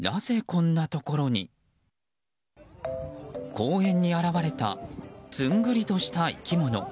公園に現れたずんぐりとした生き物。